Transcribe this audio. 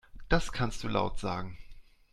Das kannst du laut sagen.